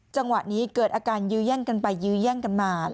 จังหวะนี้เกิดอาการยื้อแย่งกันไปยื้อแย่งกันมา